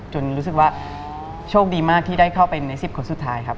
รู้สึกว่าโชคดีมากที่ได้เข้าไปใน๑๐คนสุดท้ายครับ